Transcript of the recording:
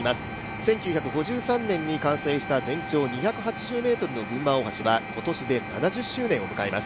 １９５３年に完成した全長５８０ｍの群馬大橋は今年で７０周年を迎えます。